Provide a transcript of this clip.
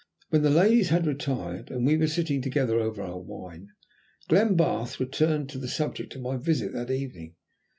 When the ladies had retired, and we were sitting together over our wine, Glenbarth returned to the subject of my visit that evening.